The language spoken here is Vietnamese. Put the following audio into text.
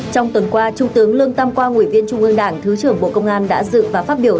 trong tuần qua trung tướng lương tam quang ủy viên trung ương đảng thứ trưởng bộ công an đã dự và phát biểu